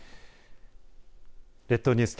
列島ニュース